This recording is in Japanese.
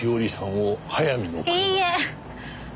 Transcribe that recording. いいえ。